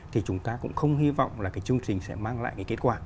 thì chúng ta cũng không hy vọng là chương trình sẽ mang lại kết quả